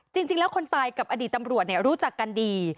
จริงแล้วคนตายกับอดีตตำรวจรู้จักกันดี